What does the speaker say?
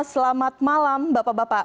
selamat malam bapak bapak